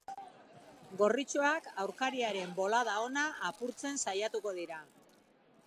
Gorritxoak aurkariaren bolada ona apurtzen saiatuko dira.